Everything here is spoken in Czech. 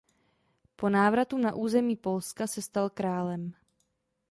Po návratu na území Polska se stal králem.